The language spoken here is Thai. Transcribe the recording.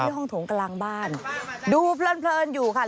ตอนทองกำลังบ้านดูเปิ่ลอยู่ค่ะ